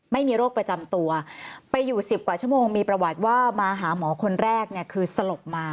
ไม่มีโรคประจำตัวไปอยู่๑๐กว่าชั่วโมงมีประวัติว่ามาหาหมอคนแรกเนี่ยคือสลบมา